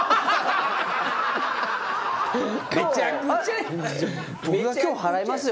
めちゃくちゃや。